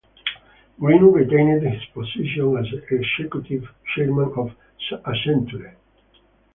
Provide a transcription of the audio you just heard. Green retained his position as executive chairman of Accenture.